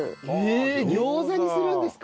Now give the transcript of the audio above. えーっ餃子にするんですか？